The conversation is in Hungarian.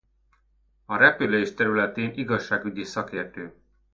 A repülés területén igazságügyi szakértő.